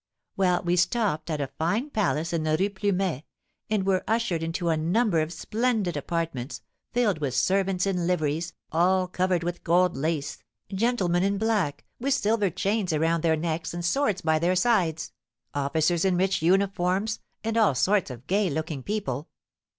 Well, we stopped at a fine palace in the Rue Plumet, and were ushered into a number of splendid apartments, filled with servants in liveries, all covered with gold lace, gentlemen in black, with silver chains around their necks and swords by their sides, officers in rich uniforms, and all sorts of gay looking people.